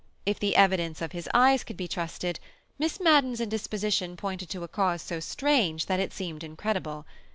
If the evidence of his eyes could be trusted, Miss Madden's indisposition pointed to a cause so strange that it seemed incredible.